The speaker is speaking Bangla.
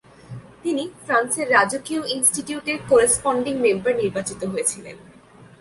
তিনি ফ্রান্সের রাজকীয় ইন্সটিউটের কোরেস্পন্ডিং মেম্বার নির্বাচিত হয়েছিলেন।